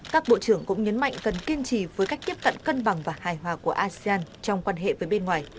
các bộ trưởng cũng nhấn mạnh cần kiên trì với cách tiếp cận cân bằng và hài hòa của asean trong quan hệ với bên ngoài